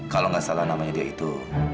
kalau nggak salah namanya dia itu